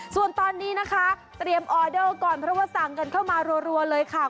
ส่วนตอนนี้นะคะเตรียมออเดอร์ก่อนเพราะว่าสั่งกันเข้ามารัวเลยค่ะ